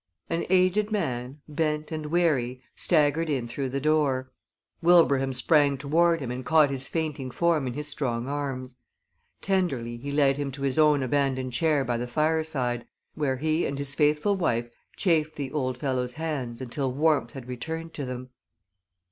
An aged man, bent and weary, staggered in through the door. Wilbraham sprang toward him and caught his fainting form in his strong arms. Tenderly he led him to his own abandoned chair by the fireside, where he and his faithful wife chafed the old fellow's hands until warmth had returned to them.